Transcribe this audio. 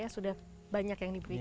sudah banyak yang diberikan